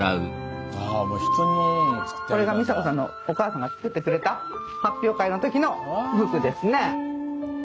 これが美佐子さんのお母さんが作ってくれた発表会の時の服ですね。